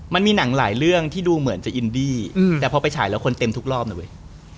มันมีหนังหลายเรื่องที่ดูเหมือนจะอินดี้แต่พอไปฉายแล้วคนเต็มทุกรอบนะเว้ย